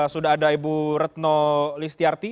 sudah ada ibu retno listiarti